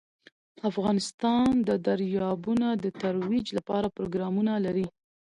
افغانستان د دریابونه د ترویج لپاره پروګرامونه لري.